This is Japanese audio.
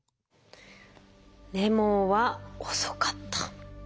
レモンは遅かった。